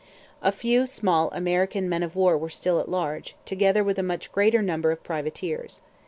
A very few small American men of war were still at large, together with a much greater number of privateers.